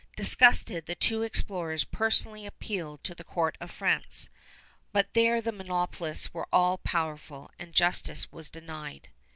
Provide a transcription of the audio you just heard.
Disgusted, the two explorers personally appealed to the Court of France; but there the monopolists were all powerful, and justice was denied.